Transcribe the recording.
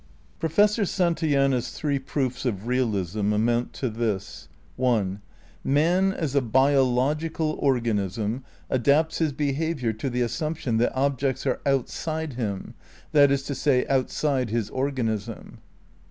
Professor Santayana's three proofs of realism amount to this: (1) Man as a biological organism adapts his behaviour to the assumption that objects are outside him, that is to say, outside his organism.